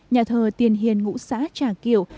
nhà thờ tiền hiền ngũ xã trà kiệu